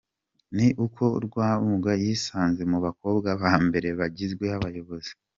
Ni uko Rwabukumba yisanze mu bakobwa ba mbere bagizwe abayobozi.